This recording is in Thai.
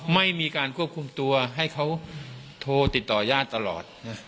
ไม่มีการควบคุมตัวให้เขาโทรติดต่อญาติตลอด